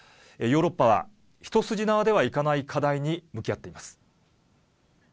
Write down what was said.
ヨーロッパは一筋縄ではいかない課題に向き合っています。